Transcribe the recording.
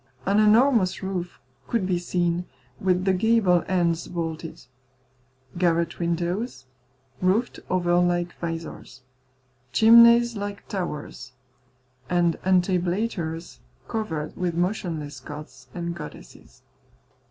An enormous roof could be seen, with the gable ends vaulted; garret windows, roofed over like visors; chimneys like towers; and entablatures covered with motionless gods and goddesses.